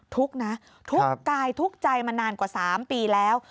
ทุกข์ในทุกข์ใจมานานกว่า๓ปีแล้ว